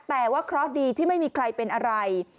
แต่ว่าเคราะห์ดีที่ไม่มีใครเป็นอะไร